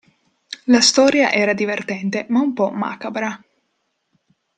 La storia era divertente, ma un po' macabra.